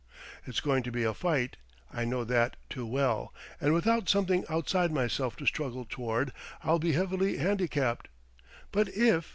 It's going to be a fight I know that too well! and without something outside myself to struggle toward, I'll be heavily handicapped. But if